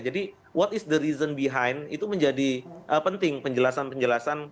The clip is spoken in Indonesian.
jadi what is the reason behind itu menjadi penting penjelasan penjelasan